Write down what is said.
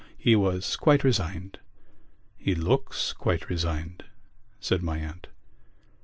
"He was quite resigned." "He looks quite resigned," said my aunt.